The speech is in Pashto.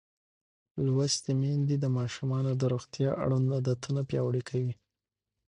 لوستې میندې د ماشومانو د روغتیا اړوند عادتونه پیاوړي کوي.